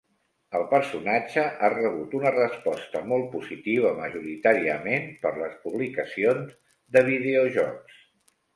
El personatge ha rebut una resposta molt positiva majoritàriament per les publicacions de videojocs.